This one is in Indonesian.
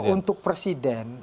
kalau untuk presiden